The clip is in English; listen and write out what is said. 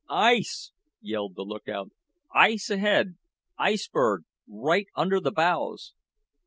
"Ice," yelled the lookout; "ice ahead. Iceberg. Right under the bows."